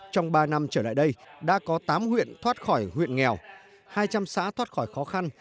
trong ba năm trở lại đây đã có tám huyện thoát khỏi huyện nghèo hai trăm linh xã thoát khỏi khó khăn